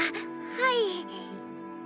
はい。